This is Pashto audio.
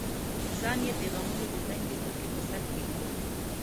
ځان د غمیو د دنګې څوکې په سر کې لیده.